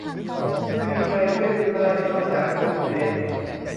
ไม่มีใครช่วยคุณได้นอกจากตัวคุณเอง